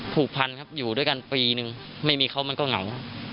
ผูกพันครับอยู่ด้วยกันปีนึงไม่มีเขามันก็เหงา